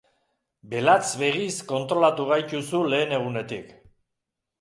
Belatz begiz kontrolatu gaituzu lehen egunetik.